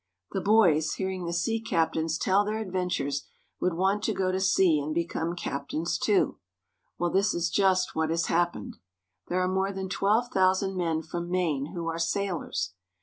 The boys, hearing the sea captains tell their adventures, would want to go to sea and become captains too. Well, this is just what has happened. There are more than twelve thousand men from Maine who are sailors.